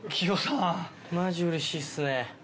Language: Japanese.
マジうれしいっすね。